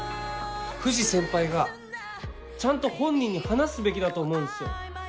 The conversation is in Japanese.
藤先輩がちゃんと本人に話すべきだと思うんですよ。